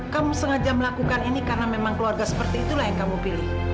kamu sengaja melakukan ini karena memang keluarga seperti itulah yang kamu pilih